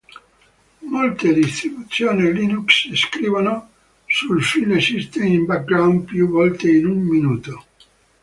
Molte distribuzioni Linux scrivono sul file system in background più volte in un minuto.